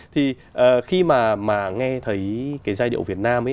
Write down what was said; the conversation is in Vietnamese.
thì khi mà nghe thấy cái giai điệu việt nam ấy